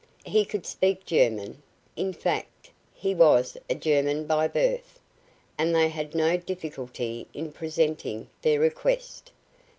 He could speak German in fact, he was a German by birth and they had no difficulty in presenting their request.